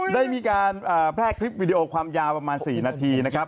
ได้มีการแพร่คลิปวิดีโอความยาวประมาณ๔นาทีนะครับ